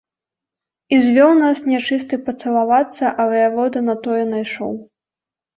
І звёў нас нячысты пацалавацца, а ваявода на тое найшоў.